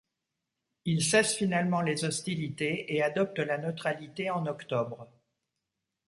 Il cesse finalement les hostilités et adopte la neutralité en octobre.